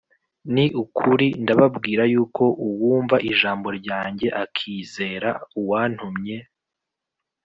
ni ukuri ndababwira yuko uwumva ijambo ryanjye akizera uwantumye